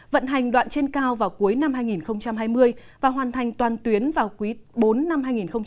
vận hành đoạn trên cao vào cuối năm hai nghìn hai mươi và hoàn thành toàn tuyến vào quý bốn năm hai nghìn hai mươi một